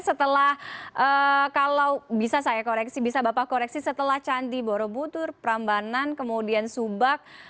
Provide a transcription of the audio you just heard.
setelah kalau bisa saya koreksi bisa bapak koreksi setelah candi borobudur prambanan kemudian subak